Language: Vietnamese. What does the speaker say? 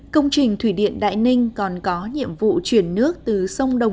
công trình thủy điện đại ninh còn có nhiệm vụ chuyển nước từ sông đồng